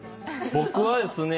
僕はですね